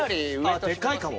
あっでかいかも。